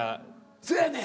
そやねん。